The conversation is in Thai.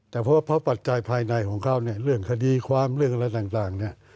แต่เพราะหัวใจภายในของเขาเรื่องคดีความอะไรต่าง